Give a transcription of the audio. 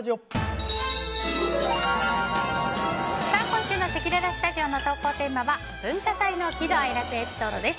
今週のせきららスタジオの投稿テーマは文化祭の喜怒哀楽エピソードです。